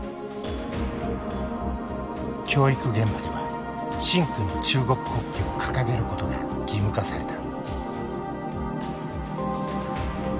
教育現場では真紅の中国国旗を掲げることが義務化された。